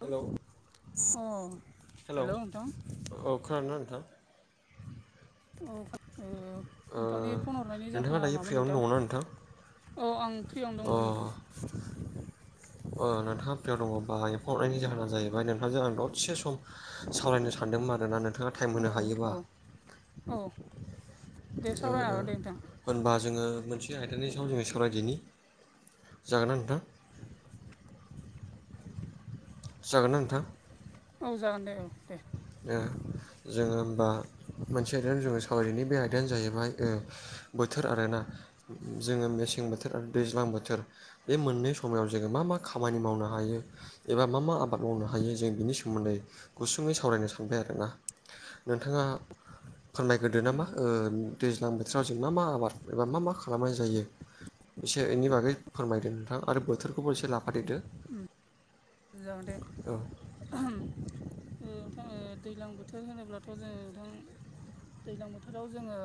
Hello अ hello औ खोनादों ना नोंथां औ ओ नोंथांनि फन हरनायनि नोंथाङा जाहोना दायो मामोन फ्रियावनो नोंथां दङना अ आं फ्रियावनो अ दंमोन नोंथां नोंथाङा फयाव दङबा एम्फा हरनायनि जाहोना जाहैबाय नोंथाङाजजों आं दरसे सम सावरायनो सानदोंमोन आरानोना नोंथाङ नोंाङा टाइम औ होनो हायोबा औ औ दे सावरायनो हागोन दे नोंथां होनबा जोङो मोनसे आयदानि सायाव जोङो सावरायदिनि जागोनना नोंथां जागोनथां औ जागोन दे औ दे जोङो हबा मोनसे आयदायाव जोङो सावरायनि बे आयदायानो जाहैबाय बोथोर आर ना जोङो मेसें बोथोर आरो दैज्लां बोथोर बे मोननै समायाव जोङो मा मा खामानि मावनो हायो एबा मा मा आबाद मावनो हायो जों बिनि सोमोन्दै गुसुङै सावरायनो सान थांबाय आरोोना नोंथाङा फोरमायग्रोदो नामा दैज्लां बोथोराव जों मा मा आबाद एबा मा मा खालामनाय जायो एसे इनि बागै फोरमायदों नोंथां आरो बोथोरखौबो एसे लाफादेदो जाहाथे नोंाङ दैज्लां बोथोर होनोब्लाथ' जोङो नोंथां दैज्लां बोथोराव जोङो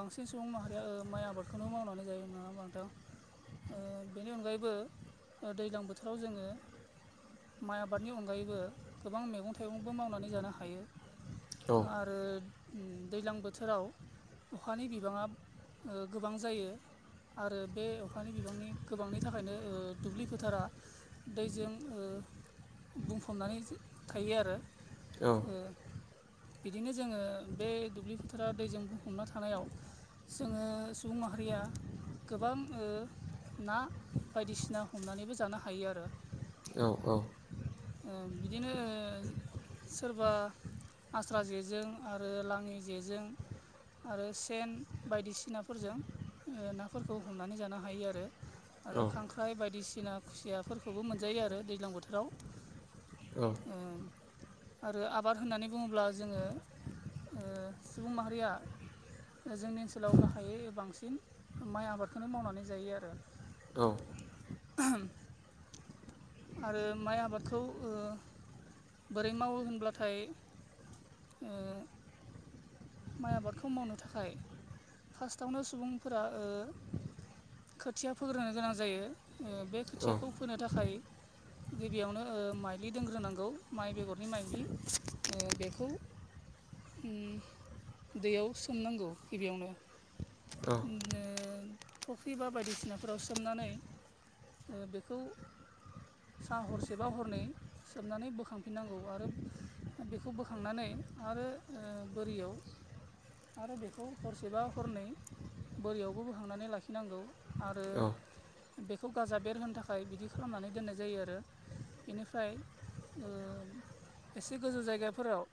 बांसिन सुबुं माहारिया माइ आबादखौनो मावनानै जायोोना बांथां बेनि अनगायैबो दैज्लां बोथोराव जोङो माइ आबादनि अनगायैबो गोबां मैगं थाइगंबो मावनानै जानो हायो औ आरो दैज्लां बोथोराव अखानि बिबाङा गोबां जायो आरो बे अखानि बिबांनि गोबांनि थाखायनो दुब्लि फोथारा दैजों बुंफबनानै थायो आरो औ बिदिनो जोङो बे दुब्लि फोथाराव दैजों बुंफबना थानायाव जोङो सुबुं माहारिया गोबां ना बायदिसिना हमनानैबो जानो हायो आरो औ औ बिदिनो सोरबा आस्रा जेजों आरो लाङि जेजों आरो सेन बायदिसिनाफोरजों नाफोरखौ हमनानै जानो हायो आरो आरो औ खांख्राइ बायदिसिना खुसियाफोरखौबो मोनजायो आरो दैज्लां बोथोराव [inaudible] आरो आबाद होननानै बुङोब्ला जोङो सिबुन माहया जोंनि ओनसोलाव गाहायै बांसिन माइ आबादखौनो मावनानै जायो आरो औ आरो माइ आबादखौ बोरै मावो होनब्लाथाय ओ माइ आबादखौ मावनो थाखाय फार्स्टआवनो सुबुंफोरा खोथिया फोग्रोनो गोनां जायो बे खोथियाखौ फोनो थाखाय गिबियावनो माइ्लि दोनग्रोनांगौ माइ बेगरनि माइ्लि बेखौ उम दैयाव सोमनांगौ गिबियावनो। औ। बिदिनो फुख्रि बा बायदिसिनाफोराव सोमनानै ओ बेखौ साहा हरसेबा हरनै सोबनानै बोखांफिननांगौ आरो बेखौ बोखांनानै आरो बोरियाव आरो बेखौ हरसेबा हरनै बोरियावबो बोखांनानै लाखिनांगौ आरो बेखौ गाजा बेरहोनो थाखाय बिदि खालामनानै दोननाय जायो आरो बेनिफ्राय एसे गोजौ जायगाफोराव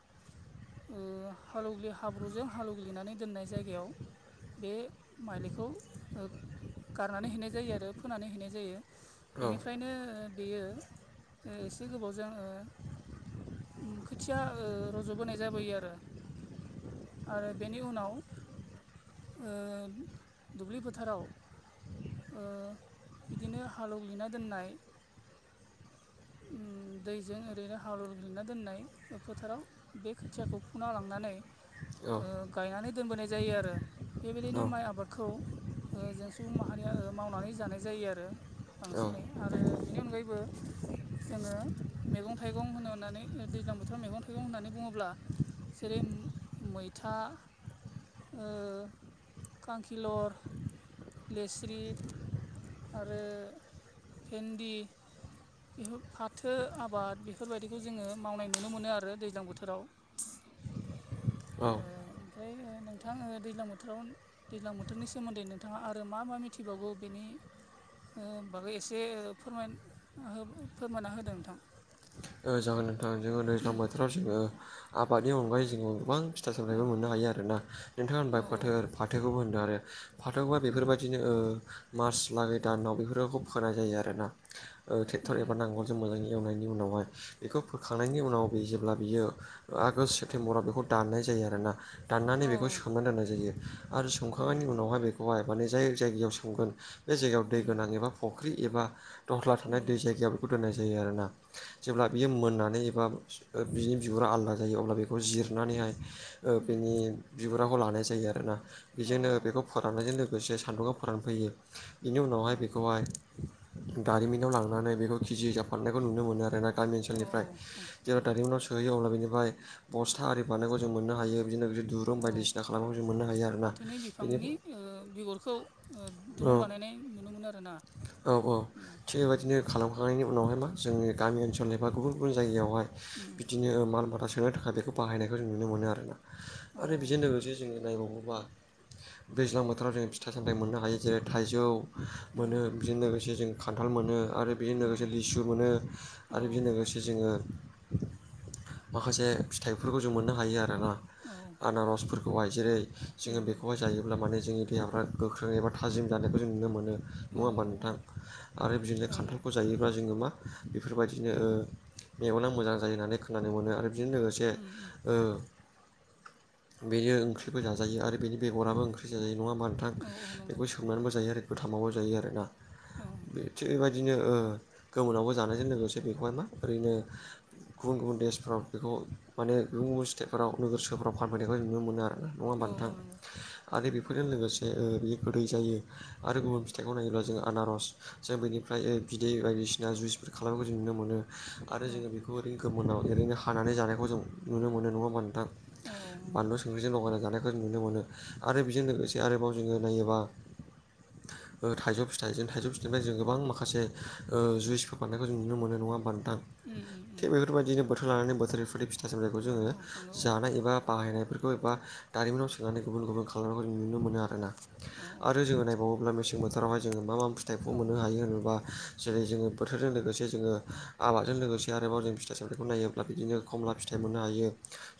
ओ हालौग्लि हाब्रुजों हालौग्लिनानै दोननाय जायगायाव बे माइलिखौ ओ गारनानै हैनाय जायो आरो फोनानै हैनाय जायो बेनिफ्रायनो बेयो ओ एसे गोबावजों ओ उम खोथिया ओ रज'बोनाय जाबोयो आरो। आरो बेनि उनाव ओ दुब्लि फोथाराव ओ बिदिनो हालौग्लिना दोननाय उम दैजों ओरैनो हालौग्लिना दोननाय फोथाराव बे खोथियाखौ फुना लांनानै ओ गायनानै दोनबोनाय जायो आरो बेबायदिनो माइ आबाद खौ ओ जों सुबुं माहारिया ओ मावनानै जानाय जायो आरो बांसिनै। आरो बेनि अनगायैबो जोङो मैगं थाइगं होनो होननानै दैज्लां बोथोराव मैगं थाइगं होननानै बुङोब्ला जेरै मैथा ओ खांखिलर लेस्रि आरो भेन्दि बेफोर फाथो आबाद बेफोरबायदिखौ जोङो मावनाय नुनो मोनो आरो दैज्लां बोथोराव। [unintelligible] ओ ओमफ्राय नोंथां ओ दैज्लां बोथोराव दैज्लां बोथोरनि सोमोन्दै नोंथाङा आरो मा मा मिथिबावगौ बेनि ओ बागै एसे ओ फोरमाय ओ फोरमायना होदों नोंथां। ओ जागोन नोंथां जोङो दैज्लां बोथोराव जोङो आबादनि अनगायै जोङो गोबां फिथाइ औ सामथायबो मोननो हायो आरोना नोंथाङा औ होनबाय फोथोर फाथोखौबो होनदों आरो फाथोखौहाय उम बेफोरबायदिनो ओ मार्च लागै दानाव बेफोरखौ फोनाय जायो आरोना। ओ उम ट्रेक्टर एबा नांगोलजों मोजाङै एवनायनि उनावहाय। बेखौ फोखांनायनि उनाव बे जेब्ला बियो ओ आगष्ट सेप्तेम्बराव बेखौ दाननाय जायो आरोना। दाननानै औ बेखौ सोमनानै दोननाय जायो आरो उम सोमखांनायनि उनावहाय बेख खौहाय माने जाय जायगायाव सोमगोन बे जायगायाव दै गोनां एबा फुख्रि एबा दस्ला थानाय उम दै जायगायाव बेखौ दोननाय जायो आरोना। जेब्ला बियो मोननानै एबा ओ बिनि बिगुरा आलदा जायो अब्ला बेखौ जिरनानैहाय ओ उम बिनि बिगुराखौ लानाय जायो आरो ना औ बेजोंनो बेखौ फोराननायजों लोगोसे सान्दुङाव फोरान फैयो बेनि उनावहाय औ बेखौहाय दारिमिनाव लांनानै बेखौ केजि हिसाब फाननायखौ नुनो मोनो आरोना गामि ओनसोलनिफ्राय। औ औ जेब्ला दारिमिनाव सोहैयो अब्ला बिनिफाय बस्था आरि बानायनायखौ जों मोननो हायो बिदिनो बिदि दु अ फाथोनि बेनि बिफांनि ओ बेगरखौ ओ दुरुं ओ बानायनाय नुनो मोनो आरो ना? औ औ थिग बेबायदिनो खालामखांनायनि उनावहाय मा जोंनि गामि ओनसोलनि बा गुबुन गुबुन जायगायावहाय उम बिदिनो ओ माल माथा सोनो थाखाय बेखौ बाहायनायखौ जों नुनो मोनो आरोना औ आरो बेजों लोगोसे जोङो नायबावोबा दैज्लां बोथोराव जों फिथाइ सामथायाइ मोननो हायो जेरै थाइजौ। उम मोनो बेजों लोगोसे जों खान्थाल मोनो आरो बेजों उम लोगोसे लिसु मोनो औ आरो बेजों लोग लोगोसे जोङो माखासे फिथाइफोरखौ जों मोननो हायो आरोना। औ उम आनारसफोरखौहाय जेरै जोङो उम बेखौहाय जायोब्ला माने जोंनि देहाफ्रा गोख्रों एबा थाजिम जानायखौ जों नुनो मोनो। नङा औ होमबा नोंथां आरो बिदिनो औ औ नंगौ खान्थालखौ जायोब्ला जोङो मा बेफोरबायदिनो ओ मेगना मोजां जायो होननानै खोनानो मोनो आरो बेजों लोगो से उम ओ बेयो ओंख्रिबो जाजायो आरो बेनि बेगराबो ओंख्रि जाजायो नङा होमबा नोंथां? थां औ औ नंगौ बेखौ सोंनानैबो जायो आरो गोथांआवबो जायो आरो ना।। औ थिग बेबायदिनो गोमोनावबो जानायजों लोगोसे बेखौहाय मा ओरैनो गुबुन गुबुन देशफ्राव बेखौ माने गुबुन गुबुन स्टेटफोराव नोगोर सफ्राव फानफैनायखौ नुनो मोनो आरोोना नङा बान्था औ नंगौ आरो उम बेफोरजों लोगोसे बेयो गोदै जायो। आरो गुबुन फिथाइखौ नायोब्ला जों आनारस जों बेनिफ्राय बिदै बायदिसिना ज बे खालामनायखौ जों नुनो मोनो आरो औ जोङो बे बे ओरै गोमोनाव ओरैनो हानानै जानायखौ जों नुनो मोनो नङाबा नोंथां? औ बानलु नंगौ सुंख्रिजों लगायना जानायखौ जों नुनो मोनो। आरो बेजों लोगोसे आरोबाव जोङो नायोबा ओ थाइजौ फिथाइ थाइजौ फिथाइनिफ्राय जों गोबां माखासे जुइसफोरखौ बारनायखौ जों नुनो मोन नङा होमबा नोंथां उम उम थिग उम बेफोरबायदिनो बोथोर लानानै बोथोरफोरनि फिथा सामथाइखौ औ जोङो नंगौ जानाय एबा बाहायनायफोरखौ एबा दारिमिनाव सोंनानै गुबुन गुबुन खालामनायखौ जों नुनो मोनो आरो ना। औ आरो औ जोङो नायबावोब्ला मेसें बोथोरावहाय जोङो मा मा फिथाइखौ औ औ मोननो हायो होनोबा जेरै जोङो बोथोरजों लोगोसे जोङो आबादजों लोगोसे आरोबाव जों फिथाइ सामथायखौ नायोब्ला बिदिनो खमला फिथाइ मोननो हायो।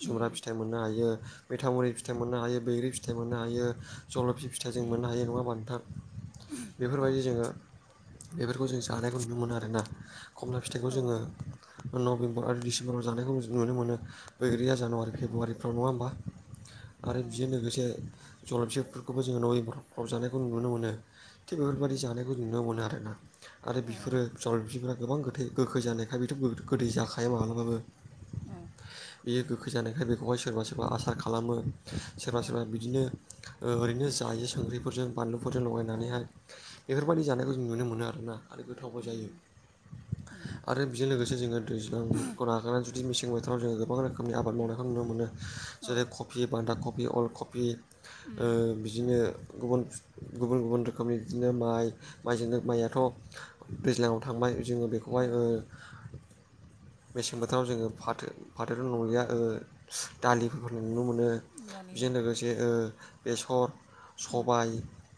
जुमब्रा उम फिथाइ मोननो हायो मैथा मुरि फिथाइ मोननो हायो बैग्रि फिथाइ मोननो हायो जलफि फिथाइ फिथा उम जों मोननो हायो नङा नोंथां? बेफोरबायदि जोङो बेफोरखौ जों जानायखौ नुनो मोनो आरोना खमला औ फिथाइखौ औ नंगौ उम औ जोङो नंगौ नभेम्बर आरो डिसेम्बराव जानायखौ जों नुनो मोनो बैग्रिया जानुवारि फेब्रुवारिफ्राव नङा होमबा आरो बेजों लोगोसे जल'फि बिफोरखौबो जोङो न'फबजानायखौ नुनो मोनो। थिग उम बेफोरबायाददि जानायखौ नुनो मोनो आरोना आरो औ औ बिफोरो फाव बिफफोरा गोबां गोथै गोखै जानायखाय बेथ' गोदै जाखाया माब्लाबाबो औ उम औ उम बेयो गोखै जानायखाय बेखौहाय सोरबा सोरबा आसार खालामो सोरबा सोरबा बिदिनो ओरैनो जायो संख्रिफोरजों बानलुफोरजों लगायनानैहाय बेफोरबायाददि जानायखौ जों नुनो मोनो आरोना आरो गोथावबो जायो। आरो बेजों लोगोसे जोङो दैसेबांखौ नागारनानै जुदि मेसें बोथोराव जोङो गोबां रोखोमनि आबाद मावनायखौ नुनो मोनो। जेरै कबि बान्दा कफ अल कबि ओ बिदिनो गुबुन गुबुन गुबुन रोखोमनि बिदिनो माइ माइजोंनो माइयाथ' दैज्लाङाव थांबाय जोङो बेखौहाय औ मेसें बोथोराव जोङो फाथो फाथोल नंलिया औ दालिफोरफोर नुनो मोनो। दालि औ जेनेरेल जे लोगोसे बेसर उम सबाय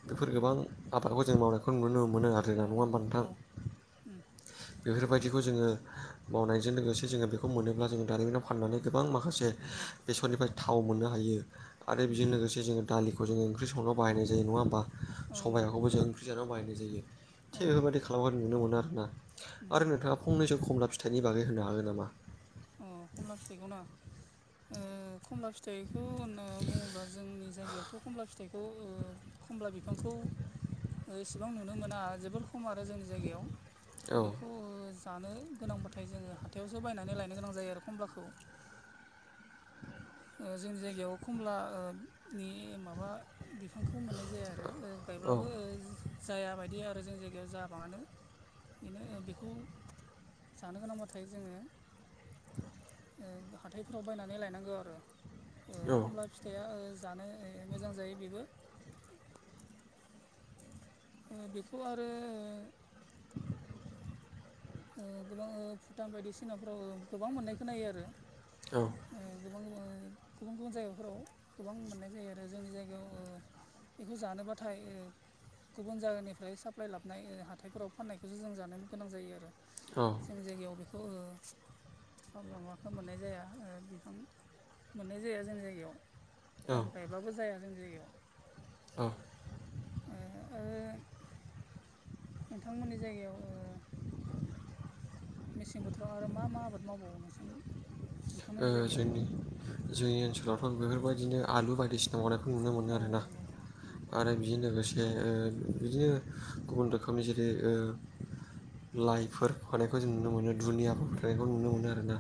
बेफोर उम गोबां आबादखौ जों मावनायखौ नुनो मोनो आरो औ जोंना नङा होनोमबा नोंथां औ उम बेफोरबायदिखौ जोङो मावनायजों लोगोसे जोङो बेखौ मोनोब्ला जोंङ दारिमिनाव फाननानै गोबां माखासे औ बेसरनिफ्राय थाव मोननो हायो। आरो बेजों उम लोगोसे दालिखौ जोङो ओंख्रि संलाव बायनाय जायो नङा होमबा औ नंगौ सबाइखौबो जों बिजानाव बाहायनाय जायो औ थिग बेबायदि खालामबा नुनो मोनो आरोना उम आरो उम नोंथाङा फंनैसो खमला फि थाइनि बागै होनो हागोन नामा? अ खमला फिथाइखौ ना ओ। खमला फिथाइखौ होनना बुङोब्ला जोंनि जायगायावथ' खमला फिथ थाइखौ ओ खमला बिफांखौ। ओ एसेबां नुनो मोना जोबोर खम आरो जोंनि जायगायाव। औ बेखौ ओ जानो गोनांबाथाय जोङो हाथायावसो बायनानै लायनो गोनां जायो आरो खमलाखौ। ओ जोंनि जायगायाव खमला ओ नि माबा बिफांखो। खौ मोननाय जाया आरो ओ औ गायब्लाबो ओ जाया बायदि आरो जोंनि जायगायाव जाबाङानो। बेनो बेखौ जानो गोनांबाथाय जोङो। ओ हाथायफोराव बायनानै लायनांगौ आरो। ओ औ खमला फिथाइया ओ जानो ए मोजां जायो बेबो। ओ बेखौ आरोओ। ओ गोबां ओ भुटान बायदिसिनाफ्राव ओ गोबां मोननाय खोनायो आरो। ओ गोबां-गोबां गुबुन गुबुन जायगाफोराव गोबां मोननाय जायो आरो जोंनि जायगायाव ओ बेखौ जानोबाथाय ओ गुबुन जायगानिफ्राय साप्लाय लाबनाय ओ हाथाइफोराव फाननायखौसो जों जानो गोनां जायो आरो। औ। जों जायगायाव बेखौ ओ। माबाखो मोननाय जाया ओ बिफां मोननाय जाया जोंनि जायगायाव। औ खम गायबाबो जाया जोंनि जायगायाव। औ। ओ ओ नोंथांमोननि जायगायाव ओ। मेसें बोथोराव आरो मा मा आबाद मावबावो नोंस ओ जोंनि जोंनि ओनसोलावथ' बेफोरबायदिनो। आलु बायदिसिना मावनायखौ नुनो मोनो औ आरो ना नंगौ उम आरो बेजों लोगोसे ओ बिदिनो गुबुन रोखोमनि जेरै ओ। लाइफोर फोथायनायखौ जों नुनो मोनो दुनियाफोर फोनायनायखौ नुनो मोनो आरोना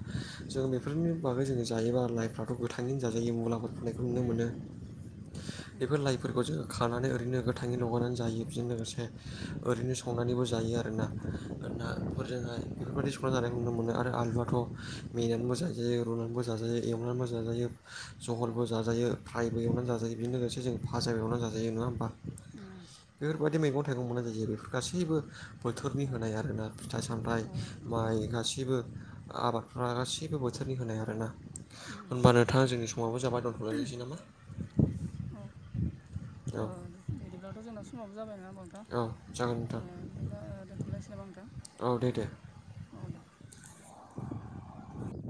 जों बेफ बेफोरनि बागै जोङो जायोबा लाइफ्राथ' गोथाङैनो जाजायो मुलाफोर फोनायखौ नुनो मोनो। बेफोर लाइफोरखौ जोङो खानानै ओरैनो गोथाङै लगायनानै जायो बेजों लोगोसे। ओरैनो संनानैबो जायो आरोना। नाफोरजोंहाय बेफोरबायदि संना जानायखौ नुनो मोनो आरो आलुआथ' मेनानैबो जाजाय जायो रुनानैबो जाजायो एवनानैबो जाजायो जहलबो जाजायो फ्रायबो एवनानै जाजायो बेजों लोगोसे जों। फाजाबो एवना जाजायो नङा होमबा? बेफोरबायदि मैगं-थाइगं मोननाय जायो बेफोर गासैबो बोथोरनि होनाय आरोना फिथाइ-सामथाइ। माइ गासैबो आबादफ्रा गासैबो बोथ थोरनि होनाय आरोना होनमबा नोंथाङा जोंनि समाबो जाबाय दोनथ'लायनोसै नामा? अ औ ओ बिदिब्लाथ' जोंना समाबो जाबाय नङा होमबा नोंथ औ जागोन नोंथां ओ बिदिब्ला दोनथ'लायनोसै नामा औ दे दे नोंथां औ दे।